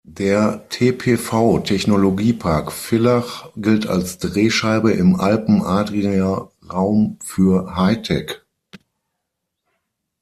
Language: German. Der tpv Technologiepark Villach gilt als Drehscheibe im Alpen-Adria-Raum für High-Tech.